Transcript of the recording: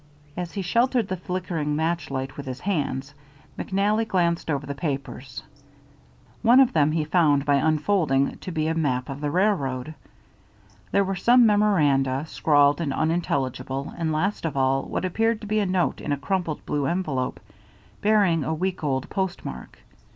As he sheltered the flickering match light with his hands, McNally glanced over the papers. One of them he found by unfolding to be a map of the railroad. There were some memoranda, scrawled and unintelligible, and last of all, what appeared to be a note in a crumpled blue envelope, bearing a week old postmark.